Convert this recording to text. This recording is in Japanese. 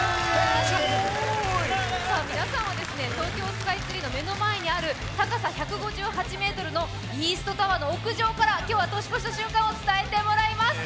皆さんは東京スカイツリーの目の前にある高さ１５８ｍのイーストタワーの屋上から、今日は年越しの瞬間を伝えてもらいます。